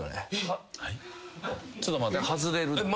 ちょっと待って外れる？